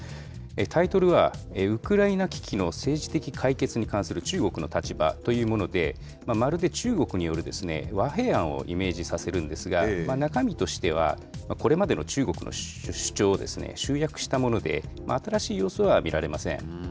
タイトルは、ウクライナ危機の政治的解決に関する中国の立場というもので、まるで中国による和平案をイメージさせるんですが、中身としては、これまでの中国の主張を集約したもので、新しい要素は見られません。